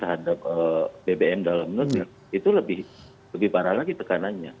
terhadap bbm dalam negeri itu lebih parah lagi tekanannya